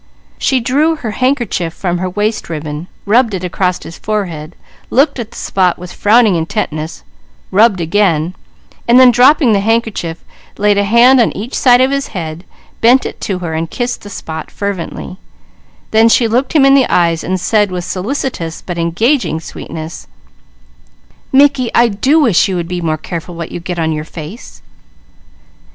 She drew her hankerchief from her waist ribbon, rubbed it across his forehead, looked at the spot with frowning intentness, rubbed again, and then dropping the handkerchief, laid a hand on each side of his head, bent it to her and kissed the spot fervently; then she looked him in the eyes and said with solicitous but engaging sweetness: "_Mickey, I do wish you would be more careful what you get on your face!